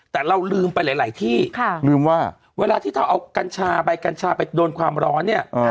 แต่เราลืมไปหลายที่ลืมว่าเวลาที่เราเอากัญชาใบกัญชาไปโดนความร้อนเนี่ย